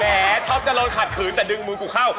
ท็อปจะโดนขัดขืนแต่ดึงมือกูเข้า